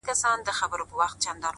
• د حاکم سترگي له قهره څخه سرې سوې,